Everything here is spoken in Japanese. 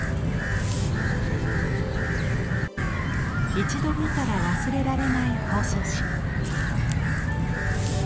一度見たら忘れられない包装紙。